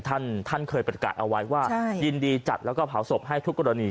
ท่านเคยแบตกะเอาไว้ว่ายินดีจัดและเผาศพให้ทุกกรณี